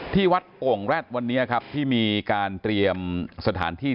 ที่วัดโอ่งแร็ดวันนี้ครับที่มีการเตรียมสถานที่